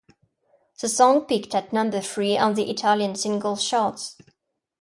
The song peaked at number three on the Italian Singles Chart.